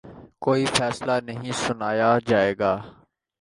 کوئی فیصلہ نہیں سنایا جائے گا